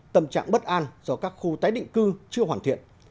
tâm trạng bất an do các khu tái định cư chưa hoàn thiện